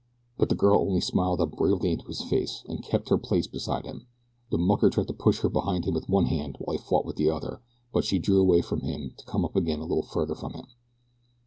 But the girl only smiled up bravely into his face and kept her place beside him. The mucker tried to push her behind him with one hand while he fought with the other, but she drew away from him to come up again a little farther from him.